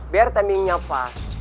biar timingnya pas